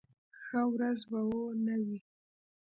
ښه ورځ به و نه وي.